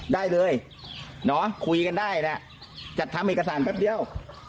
ได้เลยเนาะคุยกันได้แหละจัดทำเอกสารแป๊บเดียว